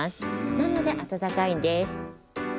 なのであたたかいんです。